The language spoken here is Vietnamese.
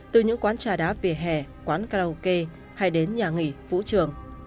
từ những quán trà đá vỉa hè quán karaoke hay đến nhà nghỉ vũ trường